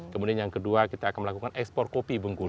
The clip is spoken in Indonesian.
kemudian yang kedua kita akan melakukan ekspor kopi bengkulu